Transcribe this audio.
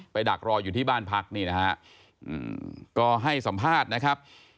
ดักรออยู่ที่บ้านพักนี่นะฮะก็ให้สัมภาษณ์นะครับ